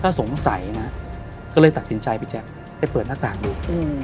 ก็สงสัยนะก็เลยตัดสินใจพี่แจ๊คไปเปิดหน้าต่างดู